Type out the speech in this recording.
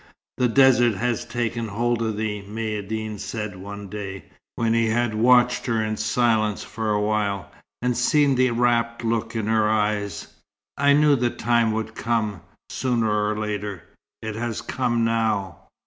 "The desert has taken hold of thee," Maïeddine said one day, when he had watched her in silence for a while, and seen the rapt look in her eyes. "I knew the time would come, sooner or later. It has come now."